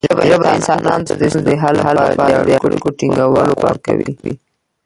ژبه انسانانو ته د ستونزو د حل لپاره د اړیکو ټینګولو واک ورکوي.